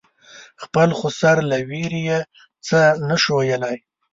خپل خسر له وېرې یې څه نه شو ویلای.